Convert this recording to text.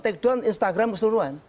take down instagram keseluruhan